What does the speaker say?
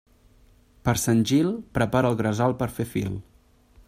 Per Sant Gil, prepara el gresol per fer fil.